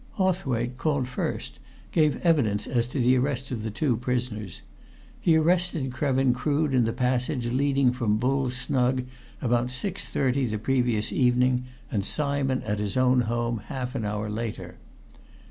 Hawthwaite, called first, gave evidence as to the arrest of the two prisoners. He arrested Krevin Crood in the passage leading from Bull's Snug about 6.30 the previous evening, and Simon at his own home, half an hour later.